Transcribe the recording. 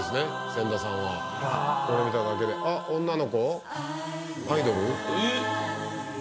千田さんはこれ見ただけであっ女の子アイドル？